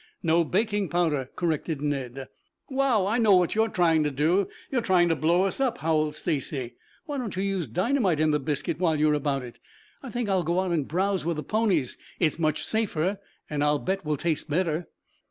"No, baking powder," corrected Ned. "Wow! I know what you're trying to do. You're trying to blow us up!" howled Stacy. "Why don't you use dynamite in the biscuit while you are about it? I think I'll go out and browse with the ponies. It's much safer and I'll bet will taste better."